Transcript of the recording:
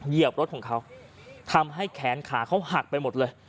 เหยียบรถของเขาทำให้แขนขาเขาหักไปหมดเลย